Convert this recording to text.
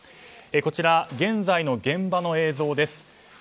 こちら、現在の現場の映像です。